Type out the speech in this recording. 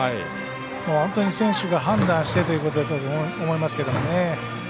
本当に選手が判断してということだと思いますけどね。